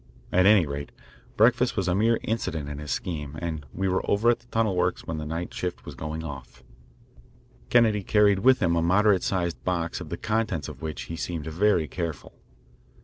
At any rate, breakfast was a mere incident in his scheme, and we were over at the tunnel works when the night shift were going off. Kennedy carried with him a moderate sized box of the contents of which he seemed very careful.